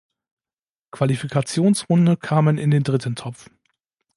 Qualifikationsrunde kamen in den dritten Topf.